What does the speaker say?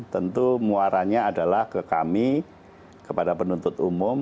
tentu muaranya adalah ke kami kepada penuntut umum